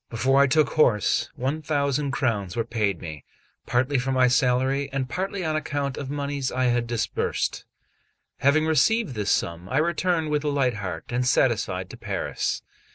Before I took horse, one thousand crowns were paid me, partly for my salary, and partly on account of monies I had disbursed. Having received this sum, I returned with a light heart and satisfied to Paris.